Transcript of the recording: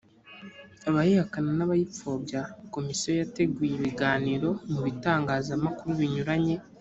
abayihakana n abayipfobya komisiyo yateguye ibiganiro mu bitangazamakuru binyuranye